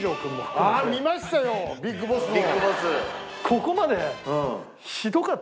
ここまで。